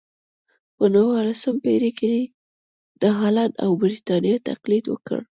په نولسمه پېړۍ کې یې د هالنډ او برېټانیا تقلید وکړ.